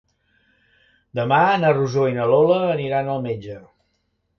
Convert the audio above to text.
Demà na Rosó i na Lola aniran al metge.